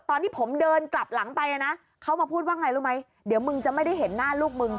ตอนที่ผมเดินกลับหลังไปนะเขามาพูดว่าไงรู้ไหมเดี๋ยวมึงจะไม่ได้เห็นหน้าลูกมึง